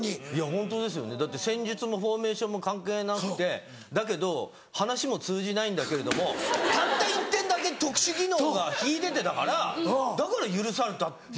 ホントですよねだって戦術もフォーメーションも関係なくてだけど話も通じないんだけれどもたった１点だけ特殊技能が秀でてたからだから許されたっていう。